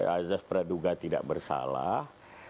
azas peraduga tidak bersalah